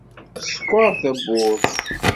Skeṛ tawwurt.